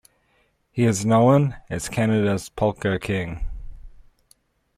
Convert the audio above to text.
He is known as Canada's Polka King.